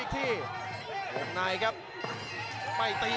ทิ้งกับมัน